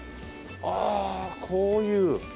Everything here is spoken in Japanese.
ああこういう。